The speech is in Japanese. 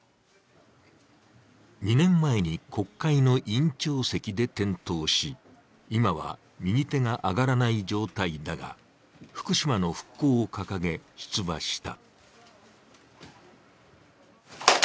２年前に国会の委員長席で転倒し、今は右手が上がらない状態だが、福島の復興を掲げて出馬した。